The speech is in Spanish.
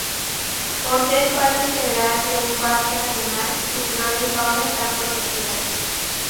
Por ser parte integral de un parque nacional su flora y fauna están protegidas.